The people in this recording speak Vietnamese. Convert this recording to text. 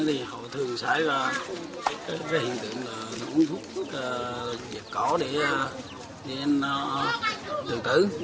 thì họ thường xảy ra cái hiện tượng là uống thuốc vẹt cỏ để tự tử